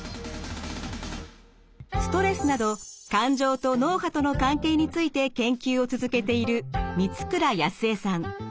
ストレスなど感情と脳波との関係について研究を続けている満倉靖恵さん。